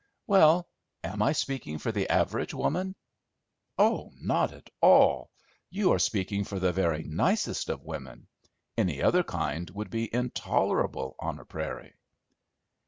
"Well, am I speaking for the average woman?" "Oh, not at all, you are speaking for the very nicest of women; any other kind would be intolerable on a prairie."